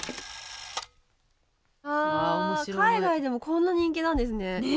海外でもこんな人気なんですね。ね！